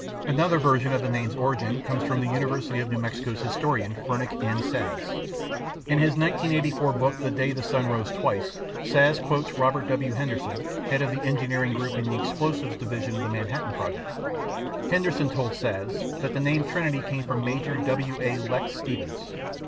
" Another version of the name's origin comes from University of New Mexico historian Ferenc M. Szasz. In his 1984 book, The Day the Sun Rose Twice, Szasz quotes Robert W. Henderson head of the Engineering Group in the Explosives Division of the Manhattan Project. Henderson told Szasz that the name Trinity came from Major W. A. (Lex) Stevens.